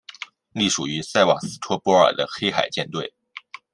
隶属于塞瓦斯托波尔的黑海舰队。